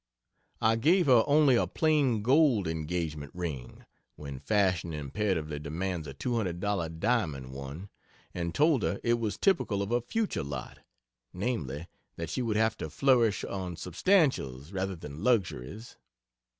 I gave her only a plain gold engagement ring, when fashion imperatively demands a two hundred dollar diamond one, and told her it was typical of her future lot namely, that she would have to flourish on substantials rather than luxuries.